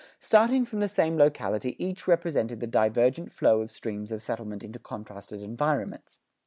Starting from the same locality, each represented the divergent flow of streams of settlement into contrasted environments.